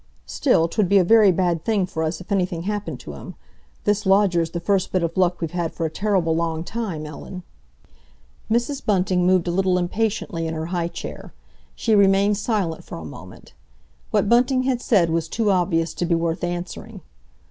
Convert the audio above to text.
Still, 'twould be a very bad thing for us if anything happened to him. This lodger's the first bit of luck we've had for a terrible long time, Ellen." Mrs. Bunting moved a little impatiently in her high chair. She remained silent for a moment. What Bunting had said was too obvious to be worth answering.